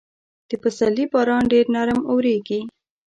د پسرلي باران ډېر نرم اورېږي.